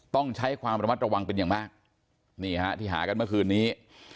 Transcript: ต้องใช้ความระมัดระวังเป็นอย่างมากนี่ฮะที่หากันเมื่อคืนนี้